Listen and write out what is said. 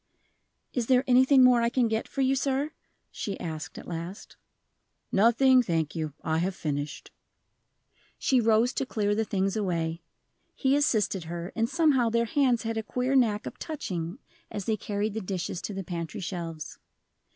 "Is there anything more I can get for you, sir?" she asked, at last. "Nothing, thank you; I have finished." She rose to clear the things away. He assisted her, and somehow their hands had a queer knack of touching as they carried the dishes to the pantry shelves.